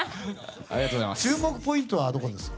注目ポイントはどこですか？